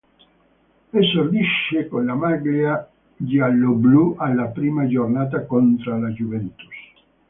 Esordisce con la maglia gialloblu alla prima giornata contro la Juventus.